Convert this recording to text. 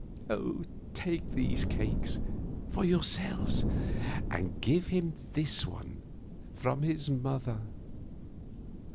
Take these cakes for yourselves and give him this one, from his mother."